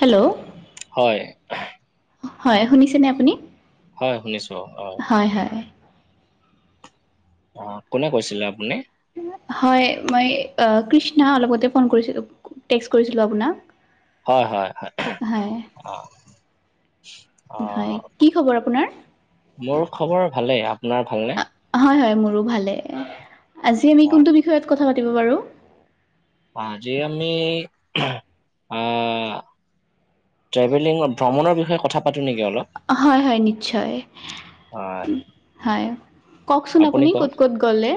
Hello? হয়। হয়, শুনিছেনে আপুনি? হয় শুনিছোঁ, অ'। হয় - হয়। অ' কোনে কৈছিলে আপুনি? হয়, মই অ' কৃষ্ণা, অলপ আগতে ফোন কৰিছিলোঁ। টেকচ কৰিছিলোঁ আপোনাক। হয় হয়-হয়-হয় অ', হয় কি খবৰ আপোনাৰ অ' মোৰ খবৰ ভালেই। আপোনাৰ ভালনে? হয়-হয় মোৰো ভালে, আজি আমি হয়, কোনটো বিষয়ত কথা পাতিব পাৰো? আজি আমি আ ট্ৰেভেলিং ভ্ৰমণৰ বিষয় কথা পাতো নেকি অলপ? হয়-হয় নিশ্চয় হয়, হয়। ককচোন আপুনি ক'ত-ক'ত গ'লে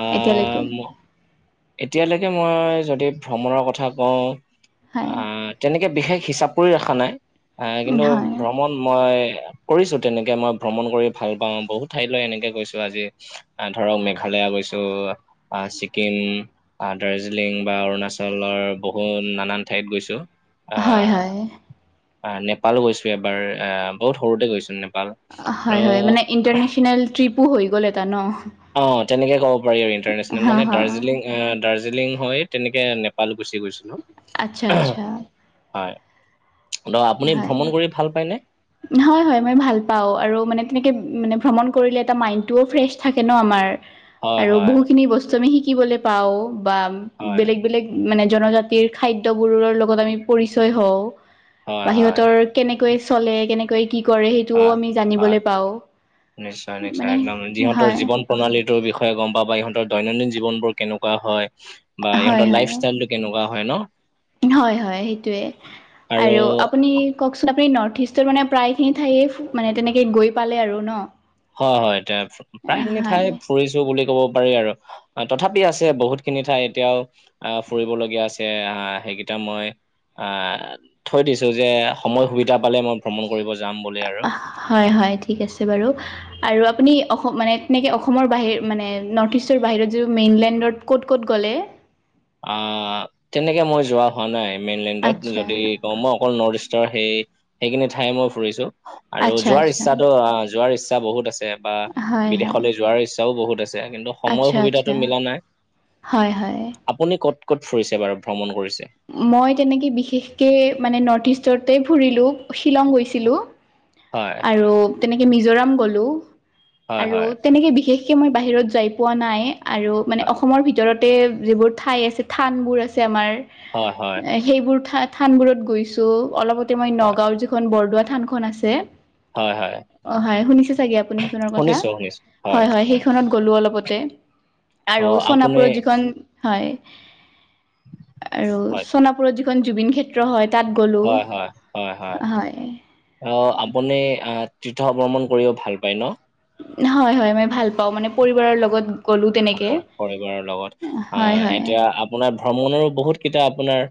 আহ, এতিয়ালৈকে? ম- এতিয়ালৈকে মই যদি ভ্ৰমণৰ কথা কও হয় অ' তেনেকে বিশেষ হিচাপ কৰি ৰাখা নাই আ, কিন্তু হয় ভ্ৰমণ মই কৰিছো তেনেকে মই ভ্ৰমণ কৰি ভাল পাও বহুত ঠাইলৈ এনেকে গৈছো আজি। আ' ধৰক মেঘালয়া গৈছো ছিকিম অ' দাৰ্জিলিং বা অৰুণাচলৰ বহুত নানান ঠাইত গৈছো। হয় হয় আহ, অ' নেপাল গৈছো এবাৰ আহ বহুত সৰুতে গৈছো নেপাল। হয়-হয় মানে ইণ্টাৰনেশ্যনেল ট্ৰিপো হৈ গ'ল এটা ন। অ' তেনেকে ক'ব পাৰি আৰু ইণ্টাৰনেশ্যনেল, হা মানে হা দাৰ্জী [unintelligible] দাৰ্জিলিং হয় তেনেকে নেপাল গুচি গৈছিলো। আচ্ছা আচ্ছা হয় ত আপুনি ভ্ৰমণ কৰি ভাল পায়নে? হয়-হয় মই ভাল পাওঁ, আৰু মানে তেনেকে মানে ভ্ৰমণ কৰিলে এটা মাইন্ডটোও ফ্ৰেছ থাকে ন আমাৰ। হয় আৰু হয় বহুখিনি বস্তু আমি শিকিবলৈ পাওঁ বা হয় বেলেগ-বেলেগ মানে জনজাতিৰ খাদ্য বোৰৰ লগত আমি পৰিচয় হও। হয়, বা হয়, সিহতৰ কেনেকৈ চলে কেনে কৈ কি কৰে সেইটোও হয়, আমি হয়, জানিবলৈ পাওঁ নিশ্চয়, নিশ্চয় মানে একদম যিহঁতৰ হয় জীৱন প্ৰণালীটোৰ বিষয়ে গম পাবা, ইহঁতৰ দৈনন্দিন জীৱনবোৰ কেনেকুৱা হয় বা হয় ইহঁতৰ হয় লাইফ চালটো কেনেকুৱা হয় ন? হয়, হয় সেইটোৱে আৰু আপুনি কওঁকচোন আপুনি নৰ্থ ইষ্টৰ মানে প্ৰায়খিনি ঠাইয়ে মানে তেনেকে গৈ পালে আৰু ন? হয়, হয় তে প্ৰায়খিনি ঠাই হয় ফুৰিছো বুলি ক'ব পাৰি আৰু। তথাপি আছে বহুত খিনি ঠাই এতিয়াও আ ফুৰিবলগীয়া আছে। আ সেইকেইটা মই আ থৈ দিছো যে সময় সুবিধা পালে মই ভ্ৰমণ কৰিব যাম বুলি আৰু। অহ হয়-হয় ঠিক আছে বাৰু। আৰু আপুনি অসম মানে তেনেকে অসমৰ বাহিৰ মানে নৰ্থ ইষ্টৰ বাহিৰত যিটো মেইনলেণ্ডত ক'ত- ক'ত গ'লে? আ, তেনেকে মই যোৱা হোৱা নাই মেইনলেণ্ডত। আচ্ছা যদি অ, মই অকল নৰ্থ ইষ্টৰ সেই সেইখিনি ঠাই মই ফুৰিছো। আৰু আচ্ছা যোৱাৰ আচ্ছা ইচ্ছাতো আ যোৱাৰ ইচ্ছা বহুত আছে বা হয় হয় বিদেশলৈ যোৱাৰ ইচ চাও বহুত আছে কিন্তু সময় আচ্ছা, সুবিধাটো আচ্ছা মিলা নাই হয়, হয়। আপুনি ক'ত-ক'ত ফুৰিছে বাৰু ভ্ৰমণ কৰিছে? মই তেনেকে বিশেষকে মানে নৰ্থ ইষ্টতে ফুৰিলো সিলং গৈছ হয়। আৰু তেনেকে মিজোৰাম গ'লো হয় আৰু হয় তেনেকে বিশেষ বাকী মই বাহিৰত যাই পোৱা নাই আৰু মানে হয় অসমৰ ভিতৰত তে যিবোৰ ঠাই আছে, থানবোৰ আছে আমাৰ হয়, হয়। সেইবোৰ থা-থানবোৰত গৈছো। অলপতে মই হয় নগাঁৱৰ যিখন বৰদোৱা থানখন আছে হয়, হয়। অ, হয় শুনিছে চাগে আপুনি সেইখনৰ কথা? শুনিছো শুনিছো হয়, হয় সেইখনত গ'লো অলপতে। অ আৰু আপুনি সোণাপুৰত যিখন হয়। আৰু হয় চণাপুৰত যিখন জুবিন খেত্ ত্ৰ হয়, তাত গ'লোঁ। হয় হয় হয় হয়। অ' আপুনি আ- তীৰ্থভ্ৰমণ কৰিব ভাল পায় ন'? হয় - হয়, মই ভাল পাওঁ, মানে পৰিবাৰৰ লগত গ'লোঁ তেনে পৰিবাৰৰ লগত। আ- এতিয়া আপোনাৰ ভ্ৰমণৰো বহুত কেইটা আপোনাৰ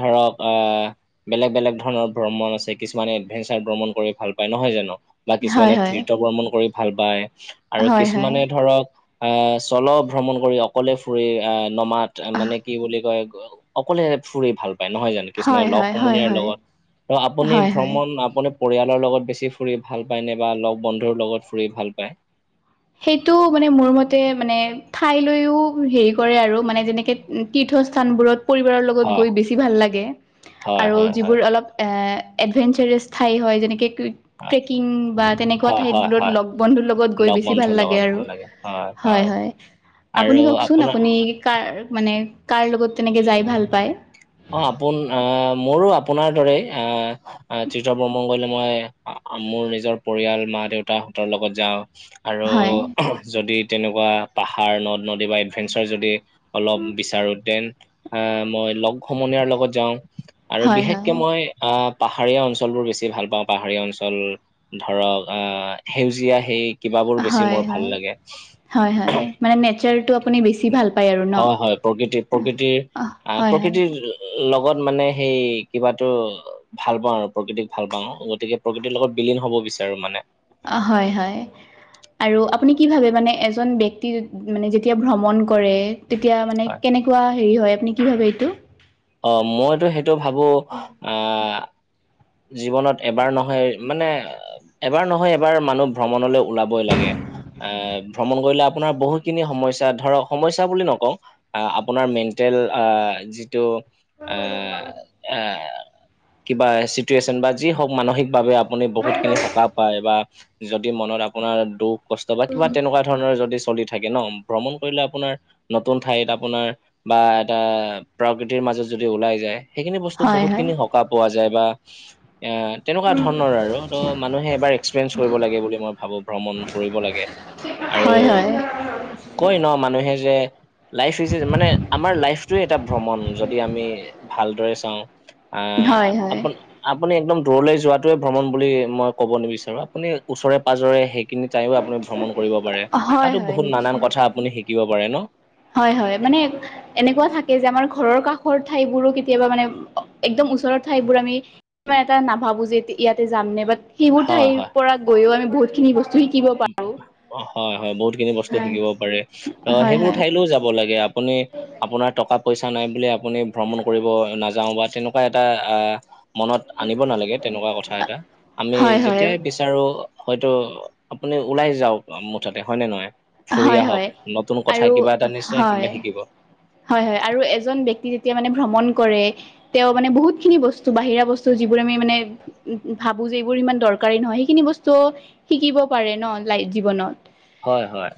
ধৰক আ বেলেগ - বেলেগ ধৰণৰ ভ্ৰমণ আছে। কিছুমানে এডভেঞ্চাৰ ভ্ৰমণ কৰি ভাল পায়, নহয় জানো? বা হয় কিছুমানে হয় তীৰ্থভ্ৰমণ কৰি ভাল পায়। আৰু হয় হয় কিছুমানে ধৰক আ- চ'ল' ভ্ৰমণ কৰি অকলে ফুৰি, আ- নমাদ, মানে কি বুলি কয় অকলে ফুৰি ভাল পায়, নহয় জানো? কিছুমানে হয় হয় লগ হয় হয় সমনীয়াৰ হয় লগত। তো আপুনি হয় হয় ভ্ৰমণ- আপুনি পৰিয়ালৰ লগত বেছি ফুৰি ভাল পায় নে বা লগ বন্ধুৰ লগত ফুৰি ভাল পায়? সেইটো মানে মোৰ মতে মানে ঠাইলৈও হেৰি কৰে আৰু, মানে যেনেকে তীৰ্থস্থানবোৰত পৰিবাৰৰ লগত হয় গৈ বেছি ভাল লাগে। হয় আৰু হয় হয় যিবোৰ অলপ এ- এডভেঞ্চাছাৰ ঠাই হয়, যেনেকে ক- হয় ট্ৰেকিং বা তেনেকুৱা হয় হয় হয় ঠাইতবোৰত লগ- বন্ধুৰ লগত গৈ লগ বেছি ভাল বন্ধুৰ লাগে লগত ভাল আৰু, লাগে হয় - হয়। আৰু আপুনি কওঁকচোন আপোনাৰ আপুনি কাৰ- মানে কাৰ লগত তেনেকে যাই ভাল পায়? অ', আপোন আ- মোৰো আপোনাৰ দৰেই। আ- তীৰ্থ ভ্ৰমণ কৰিলে মই মোৰ নিজৰ পৰিয়াল, মা-দেউতাহঁতৰ লগত যাওঁ। আৰু হয় যদি তেনেকুৱা পাহাৰ, নদ-নদী বা এডভেঞ্চাৰ যদি অলপ বিচাৰোঁ দেন, আ- মই লগ সমনীয়াৰ লগত যাওঁ। আৰু হয় বিশেষকে হয় মই আ- পাহাৰীয়া অঞ্চলবোৰ বেছি ভাল পাওঁ। পাহাৰীয়া অঞ্চল ধৰক আ- সেউজীয়া সেই কিবাবোৰ বেছি হয় মোৰ ভাল হয় লাগে। হয় হয় মানে নেচাৰটো আপুনি বেছি ভাল পায় আৰু ন হয় -হয়, প্ৰকৃতি- প্ৰকৃতিৰ অ আ- হয় হয় প্ৰকৃতিৰ লগত মানে সেই কিবাটো ভাল পাওঁ আৰু, প্ৰকৃতিক ভাল পাওঁ। গতিকে প্ৰকৃতিৰ লগত বিলীন হব বিচাৰোঁ মানে। অ' হয় - হয়। আৰু আপুনি কি ভাবে মানে এজন ব্যক্তি মানে যেতিয়া ভ্ৰমণ কৰে তেতিয়া মানে হয়। কেনেকুৱা হেৰি হয়, আপুনি কি ভাবে এইটো? অ' মইতো সেইটো ভাবোঁ আ জীৱনত এবাৰ নহয় মানে এবাৰ নহয় এবাৰ মানুহ ভ্ৰমণলৈ ওলাবই লাগে। অ'- ভ্ৰমণ কৰিলে আপোনাৰ বহুতখিনি সমস্যা ধৰক, সমস্যা বুলি নকওঁ। আ- আপোনাৰ মেণ্টেল আ- যিটো আ- আ- কিবা চি টোৱেশ্যন বা যি হওঁক, মানসিকভাৱে আপুনি বহুতখিনি সকাহ পায় বা যদি মনত আপোনাৰ দুখ কষ্ট বা কিবা তেনেকুৱা ধৰণৰ যদি চলি থাকে ন', ভ্ৰমণ কৰিলে আপোনাৰ নতুন ঠাইত আপোনাৰ বা এটা প্ৰকৃতিৰ মাজত যদি ওলাই যায় সেইখিনি বস্তু হয় হয়। বহুতখিনি সকাহ পোৱা যায় বা অ' তেনেকুৱা ধৰণৰ আৰু। তো মানুহে এবাৰ এক্সপিৰিয়েঞ্চ কৰিব লাগে বুলি মই ভাবোঁ। ভ্ৰমণ কৰিব লাগে। হয় আৰু - হয়। কয় ন' মানুহে যে লাইফ ইজ এ- মানে আমাৰ লাইফটোৱে এটা ভ্ৰমণ, যদি আমি ভালদৰে চাওঁ। আ- হয় হয়। আপুন আপুনি একদম দূৰলৈ যোৱাটোৱে ভ্ৰমণ বুলি মই কব নিবিচাৰোঁ। আপুনি ওচৰে-পাজৰে সে খিনি টাইমো আপুনি ভ্ৰমণ কৰিব পাৰে। হয় তাতো হয় বহুত নানান নিশ্চয়। কথা আপুনি শিকিব পাৰে ন'? হয় - হয়, মানে এনেকুৱা থাকে যে, আমাৰ ঘৰৰ কাষৰ ঠাইবোৰো কেতিয়াবা মানে একদম ওচৰৰ ঠাইবোৰ আমি ইমান এটা নাভাবোঁ যে ইয়াতে যাম নে, বাট সেইবোৰ হয় ঠাইৰ হয় পৰা গৈয়ো আমি বহুতখিনি বস্তু শিকিব পা হয়, হয় বহুতখিনি বস্তু শিকিব পাৰে। ত হয় সেইবোৰ হয়। ঠাইলৈও যাব লাগে। আপুনি আপোনাৰ টকা-পইচা নাই বুলি আপুনি ভ্ৰমণ কৰিব নাযাওঁ বা তেনেকুৱা এটা আ মনত আনিব নালাগে তেনেকুৱা কথা এটা। আমি হয় হয় যেতিয়াই বিচাৰো হয়তো আপুনি ওলাই যাওক মুঠতে হয়নে নহয়? ফুৰি হয় আহক, হয় নতুন আৰু কথা কিবা এটা নিশ্চয় হয় কিবা শিকিব। হয়, হয় আৰু এজন ব্যক্তি যেতিয়া মানে ভ্ৰমণ কৰে তেওঁ মানে বহুতখিনি বস্তু বাহিৰা বস্তু যিবোৰ আমি মানে উ ভাবো যে এইবোৰ ইমান দৰকাৰী নহয়। সেইখিনি বস্তুওঁ শিকিব পাৰে ন লাই জীৱনত। হয়, হয়।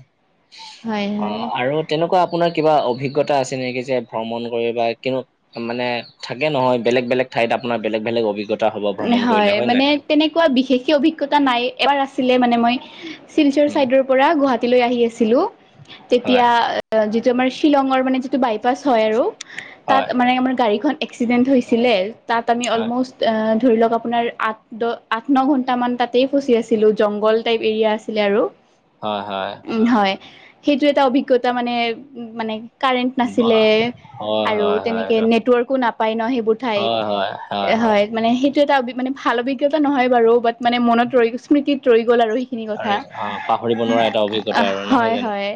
হয় অ হয় আৰু তেনেকুৱা আপোনাৰ কিবা অভিজ্ঞতা আছে নেকি যে ভ্ৰমণ কৰি বা কিনো মানে থাকে নহয় বেলেগ-বেলেগ ঠাইত আপোনাৰ বেলেগ-বেলেগ অভিজ্ঞতা হ'ব ভ্ৰমণ কৰিলে, হয় নাই? তেনেকুৱা বিশেষকে অভিজ্ঞতা নাই। এবাৰ আছিলে মানে মই চিলচৰ উম চাইডৰ পৰা গুৱাহাটীলৈ আহি আছিলো, হয় তেতিয়া যিটো আমাৰ শ্বিলঙৰ মানে যিটো বাইপাছ হয় আৰু তাত হয়, মানে আমাৰ গাড়ীখন এক্সিডেণ্ট হৈছিলে তাত আমি হয়, অলম'ষ্ট আ ধৰি লওক আপোনাৰ আঠ দ আঠ ন ঘন্ট মান তাতেই ফচি আছিলোঁ, জংঘল টাইপ এৰিয়া আছিলে আৰু। হয়-হয়। উম হয়। সেইটো এটা অভিজ্ঞতা মানে উ মানে কাৰেণ্ট উম, অ, নাছিলে হয়, আৰু হয়, হয়, তেনেকে এইটো নেটৱৰ্কো নাপায় ন সেইবোৰ ঠাইত। হয়, মানে সেই টো এটা মানে ভাল অভিজ্ঞতা নহয় বাৰু বাট মানে মনত ৰৈ স্মৃতিত ৰৈ গ'ল আৰু সি খিনি কথা। আৰু অ, পাহৰিব নোৱাৰা এটা অভিজ্ঞতা আৰু নহয় জানো? হয়-হয়-হয়,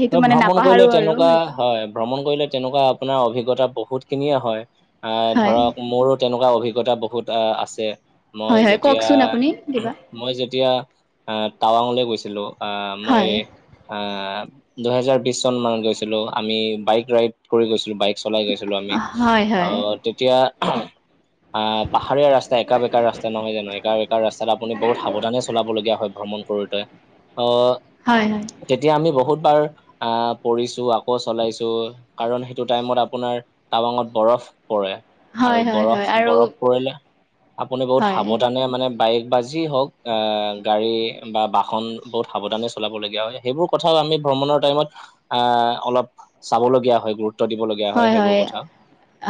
সেইটো ত' মানে ভ্ৰমণ কৰিলে নাপাহৰোঁ আৰু তেনেকুৱা সেইটো। হয়, ভ্ৰমণ কৰিলে তেনেকুৱা আপোনাৰ অভিজ্ঞতা বহুতখিনিয়ে হয়, আহ হয় ধৰক মোৰ তেনেকুৱা অভিজ্ঞতা বহুত আছে, হয় মই হয় যেতিয়া কওকচোন আপুনি কিবা মই যেতিয়া আ টাৱাংলৈ গৈছিলোঁ, আহ মই হয় আহ দুহেজাৰ বিছ চনমানত গৈছিলোঁ, আমি বাইক ৰাইড কৰি গৈছিলোঁ, বাইক চলাই গৈছিলোঁ আমি। হয় হয় আহ তেতিয়া আহ পাহাৰীয়া ৰাস্তা একা-বেকা ৰাস্তা নহয় জানো, একা-বেকা ৰাস্তাত আপুনি বহুত সাৱধানে চলাবলগীয়া হয় কৰোঁতে, অ' হয়-হয়। তেতিয়া আমি বহুতবাৰ আহ পৰিছোঁ, আকৌ চলাইছোঁ, কাৰণ সেইটো টাইমত আপোনাৰ টাবাঙত বৰফ পৰে, হয় আৰু হয় হয় আৰু বৰফ-বৰফ পৰিলে আপুনি বহুত হয় সাৱধানে মানে বাইক বা যি হওঁক, আহ গাড়ী বা বাহন বহুত সাৱধানে চলাবলগীয়া হয়। সেইবোৰ কথা আমি ভ্ৰমণৰ টাইমত আহ অলপ চাবলগীয়া হয়, গুৰুত্ব দিবলগীয়া হয় সেইবোৰ কথা।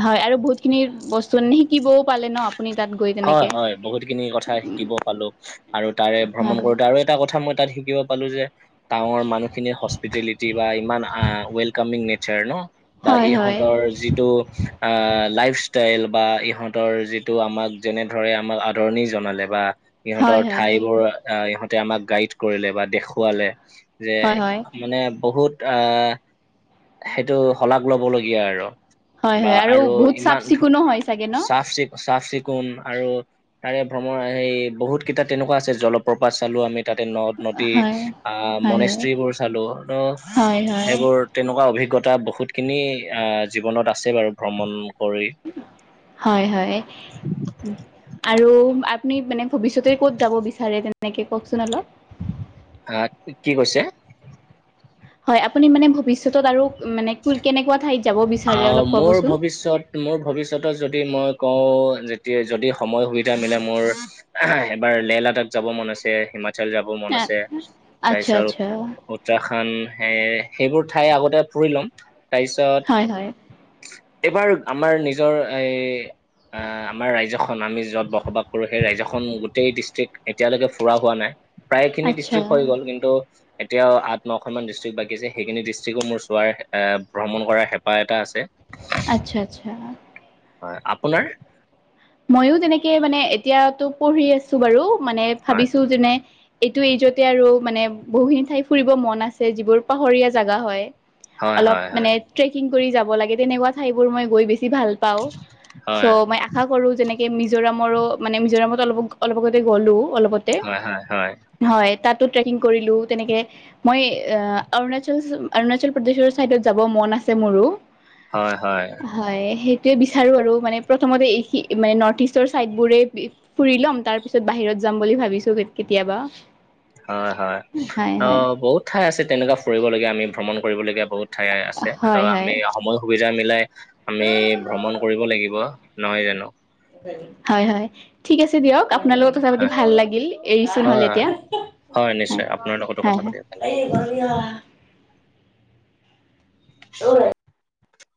হয় আৰু বহুতখিনি বস্তু এনেই শিকিবও পালে ন আপুনি তাত গৈ হয় তেনেকে? হয় বহুতখিনি কথা শিকিব পালো। আৰু তাৰে ভ্ৰমণ হয় কৰোঁতে আৰু এটা কথা মই তাত শিকিব পালো যে টাৱাংৰ মানুহখিনিৰ হস্পিটেলিটি বা ইমান আহ ৱেলকামিং নেচাৰ ন? বা হয় হয় ইহঁতৰ যিটো আহ লাইফষ্টাইল বা ইহঁতৰ যিটো আমাক যেনে ধৰে আমাক আদৰণি জনালে বা হয় ইহঁতৰ হয় হয় ঠাইবোৰ ইহঁতে আমাক গাইড কৰিলে বা দেখুৱালে যে হয় হয় মানে বহুত আহ সেইটো শলাগ লবলগীয়া আৰু। হয় বা হয় আৰু বহুত চাফ ইমান ধু চিকুণো হয় চাগে ন চাফ-চিকুণ চাফ-চিকুণ আৰু তাৰে ভ্ৰমণ সেই বহুত কেইটা তেনেকুৱা আছে জলপ্ৰপাত চালোঁ আমি তাতে নদ-নদী হয়, আহ হয়, হয়, মনেস্ত্ৰীবোৰ চালোঁ, ত হয়, হয়, সেইবোৰ তেনেকুৱা অভিজ্ঞতা বহুতখিনি আহ জীৱনত আছে বাৰু ভ্ৰমণ কৰি হয়-হয়। আৰু আপুনি মানে ভৱিষ্যতে ক'ত যাব বিচাৰে তেনেকে কওঁকচোন অলপ? হা, কি কৈছে? হয় আপুনি মানে ভৱিষ্যতত আৰু মানে কোন কেনেকুৱা ঠাইত যাব বিচাৰে আহ অলপ মোৰ ক'বচোন? ভৱিষ্যত মোৰ ভৱিষ্যতত যদি মই কওঁ যেতিয়া যদি সময় সুবিধা মিলে মোৰ এবাৰ লেহ লাডাক যাব মন আছে, হিমাচল যাব মন আছে, তাৰ আচ্ছা, পিছত আচ্ছা, উত্তৰাখণ্ড সেই সেইবোৰ ঠাই আগতে ফুৰি ল'ম তাৰপিছত হয়-হয়। এইবাৰ আমাৰ নিজৰ এই আহ আমাৰ ৰাজ্যখন আমি যত বসবাস কৰো, সেই ৰাজ্যখন গোটেই ডিষ্ট্ৰিক্ট এতিয়ালৈকে ফুৰা হোৱা নাই। প্ৰায়খিনি আচ্ছা, ডিষ্ট্ৰিক্ট হৈ গ'ল, কিন্তু এতিয়াও আঠ, নখনমান ডিষ্ট্ৰিক বাকী আছে সেইখিনি ডিষ্ট্ৰিকো মোৰ চোৱাৰ এ ভ্ৰমণ কৰাৰ হেঁপাহ এটা আছে। আচ্ছা-আচ্ছা। হয়, আপোনাৰ মইয়ো তেনেকে মানে, এতিয়াতো পঢ়ি আছো বাৰু মানে হয় ভাবিছো যেনে। এইটো এইজতে আৰু মানে বহুখিনি ঠাই ফুৰিব মন আছে, যিবোৰ পাহৰীয়া জেগা হয়। হয় অলপ হয় মানে হয় ট্ৰেকিং কৰি যাব লাগে তেনেকুৱা ঠাইবোৰ মই গৈ বেছি ভাল পাও চ হয় মই আহি কৰো যেনেকে মিজোৰামৰো মানে মিজোৰামত অলপ-অলপ আগতে গ'লো, অলপ হয়-হয়-হয়। হয়, তাতো ট্ৰেকিং কৰিলো তেনেকে মই অৰুণাচল-অৰুণাচল প্ৰদেশৰ চাইডত যাব মন আছে মোৰো। হয়-হয়। হয়, সেইটোৱে বিচাৰো আৰু মানে প্ৰথমতে এই মানে নৰ্থ ইষ্টৰ চাইদবোৰে ফুৰি ল'ম। তাৰ পিছত বাহিৰত যাম বুলি ভাবিছো কেতিয়াবা। হয়-হয়, হয় অ, হয় বহুত ঠাই আছে তেনেকুৱা ফুৰিবলগীয়া, আমি ভ্ৰমণ কৰিবলগীয়া বহুত। ঠাই আছে, ত' হয় আমি হয় সময় সুবিধা মিলাই আমি ভ্ৰমণ কৰিব লাগিব। নহয় জানো। হয়-হয় ঠিক আছে দিয়ক, আপোনালোকক কথা পাতি ভাল লাগিল, এৰিছো হয় নহ'লে হয় এতিয়া। হয়, নিশ্চয় আপোনাৰ লগতো কথা পাতি ভাল অ'।